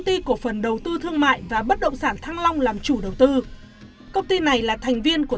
công ty cổ phần đầu tư thương mại và bất động sản thăng long làm chủ đầu tư công ty này là thành viên của